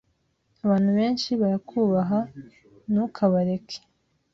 Abantu benshi barakwubaha. Ntukabareke.